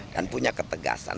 dan punya ketegasan